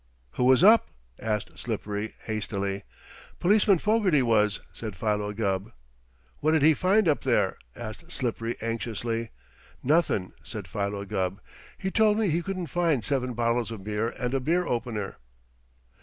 "Who was up?" asked Slippery hastily. "Policeman Fogarty was," said Philo Gubb. "What'd he find up there?" asked Slippery anxiously. "Nothin'," said Philo Gubb. "He told me he couldn't find seven bottles of beer and a beer opener."